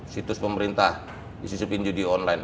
situs pemerintah disisipin judi online